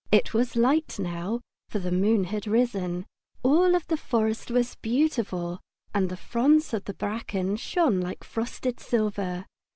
It was light now, for the moon had risen. All the forest was beautiful, and the fronds of the bracken shone like frosted silver.